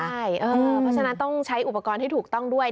เพราะฉะนั้นต้องใช้อุปกรณ์ให้ถูกต้องด้วย